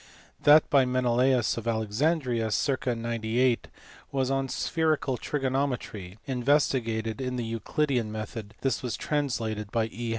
That by Menelaus of Alexandria, circ. 98, was on spherical trigonometry, investigated in the Euclidean method ; this was translated by E.